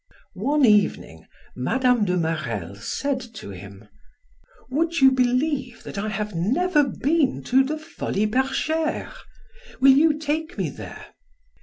One evening, Mme. de Marelle said to him: "Would you believe that I have never been to the Folies Bergeres; will you take me there?"